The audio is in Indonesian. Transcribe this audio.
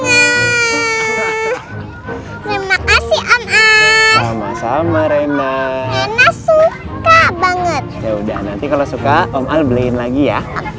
terima kasih sama sama rena suka banget ya udah nanti kalau suka om al beliin lagi ya